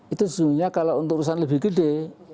itu sebenarnya kalau untuk urusan lebih gede